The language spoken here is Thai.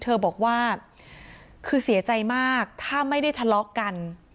เธอบอกว่าคือเสียใจมากถ้าไม่ได้ทะเลาะกัน